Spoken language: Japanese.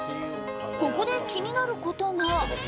ここで気になることが。